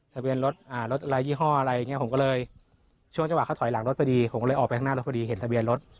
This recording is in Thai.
ทะเบียนรถรถอะไรยี่ห้ออะไรอย่างเงี้ผมก็เลยช่วงจังหวะเขาถอยหลังรถพอดีผมก็เลยออกไปข้างหน้ารถพอดีเห็นทะเบียนรถ